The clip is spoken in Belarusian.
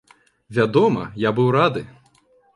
Вядома, я быў рады.